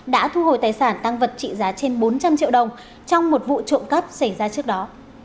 đã thu hồi tài sản tăng vật trị giá trên bốn trăm linh triệu đồng trong một vụ trộm cắp xảy ra trước đó